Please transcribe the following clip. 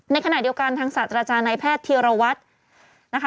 ในขณะเดียวกันทางศาสตราจารย์นายแพทย์ธีรวัตรนะคะ